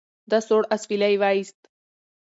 ده سوړ اسویلی وایست.